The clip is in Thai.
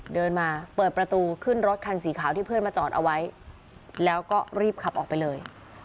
เดินมาเปิดประตูขึ้นรถคันสีขาวที่เพื่อนมาจอดเอาไว้แล้วก็รีบขับออกไปเลย